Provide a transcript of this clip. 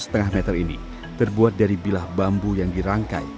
pake ala pake ala rola rola pindah kau